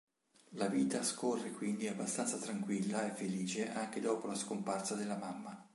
La vita scorre quindi abbastanza tranquilla e felice anche dopo la scomparsa della mamma.